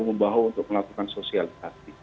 kita baru untuk melakukan sosialisasi